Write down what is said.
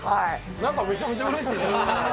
なんかめちゃめちゃうれしい。